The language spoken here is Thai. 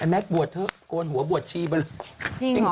แมทบวชเธอโกนหัวบวชชีไปแล้ว